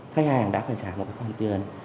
khách hàng đã phải trả một khoản tiền